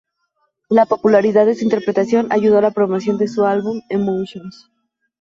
La popularidad de su interpretación ayudó a la promoción de su álbum "Emotions".